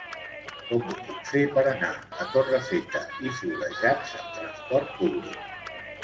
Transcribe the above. Com ho puc fer per anar a Torrefeta i Florejacs amb trasport públic?